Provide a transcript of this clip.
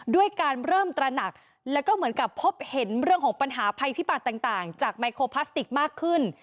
ด้วยการเริ่มตระหนักแล้วก็เหมือนกับพบเห็นเรื่องของปัญหาภัยพิบัติต่างจากไมโครพลาสติกมากขึ้น